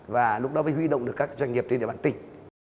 và lúc đó mới huy động được các doanh nghiệp trên địa bàn tỉnh